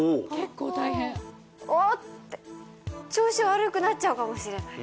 おっ！って、調子悪くなっちゃうかもしれない。